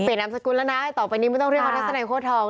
นามสกุลแล้วนะต่อไปนี้ไม่ต้องเรียกว่าทัศนัยโค้ดทอง